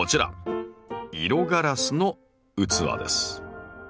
色ガラスの器です。